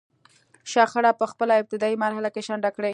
شخړه په خپله ابتدايي مرحله کې شنډه کړي.